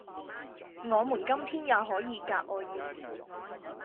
我們今天也可以格外要好，